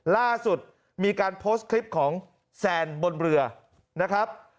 ล่าสุดมีการโพสต์คลิปของแซนบนเรือนะครับ